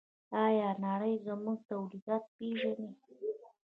آیا نړۍ زموږ تولیدات پیژني؟